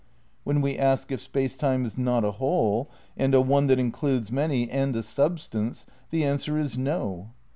When we ask if Space Time is not a whole, and a one that includes many, and a substance, the answer is No.